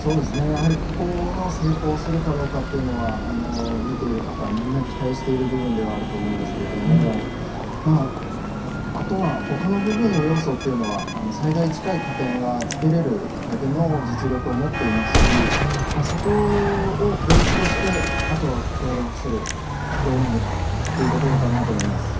やはり、ここが成功するかどうかというのは見ている方、みんな期待している部分ではあると思うんですがあとは、ほかの部分の要素は最大に近い加点がつけれるだけの実力を持っていますしそこをベースとしてあとはクアッドアクセルがどうなるかというところかなと思います。